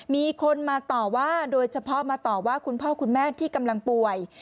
มีคนมาต่อว่าโดยเฉพาะมาต่อว่าคุณพ่อคุณแม่ที่กำลังป่วย